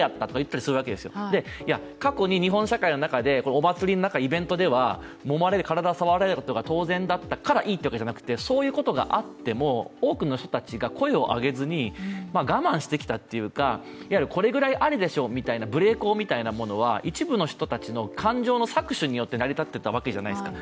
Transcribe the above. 過去に日本社会の中でお祭りの中、イベントの中ではもまれ、体を触られることが当然だったからいいというわけじゃなくて、そういうことがあっても多くの人とたちが声を上げずに我慢してきたというかこれぐらいありでしょうみたいな、無礼講みたいなものは一部の人たちの感情の搾取によって成り立っていたわけじゃないですか